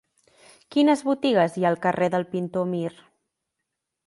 Quines botigues hi ha al carrer del Pintor Mir?